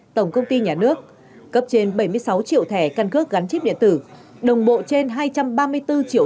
tổng công ty nhà nước cấp trên bảy mươi sáu triệu thẻ căn cước gắn chip điện tử đồng bộ trên hai trăm ba mươi bốn triệu